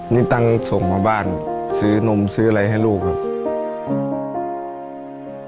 นี่ตั้งส่งมาบ้านซื้อนมซื้ออะไรให้ลูกครับ